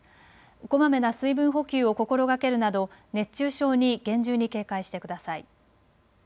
こまめな水分補給を心がけるなど熱中症に厳重に警戒してください。